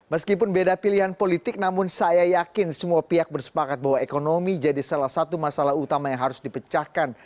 meskipun beda pilihan politik namun saya yakin semua pihak bersepakat bahwa ekonomi jadi salah satu masalah utama yang harus dipecahkan